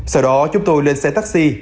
sau đó chúng tôi lên sân bay